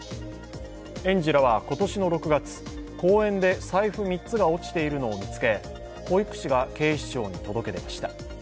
園児らは今年の６月、公園で財布３つが落ちているのを見つけ、保育士が警視庁に届け出ました。